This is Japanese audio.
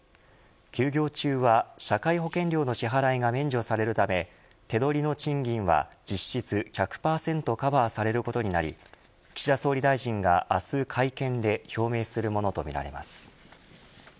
休業中は、社会保険料の支払いが免除されるため手取りの賃金は実質１００％カバーされることになり岸田総理大臣が明日会見で表明するものとみられます。